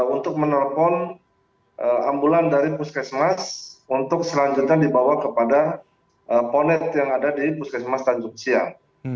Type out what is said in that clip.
untuk menelpon ambulan dari puskesmas untuk selanjutnya dibawa kepada ponet yang ada di puskesmas tanjung siang